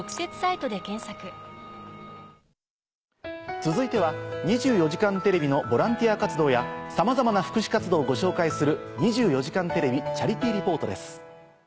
続いては『２４時間テレビ』のボランティア活動やさまざまな福祉活動をご紹介する。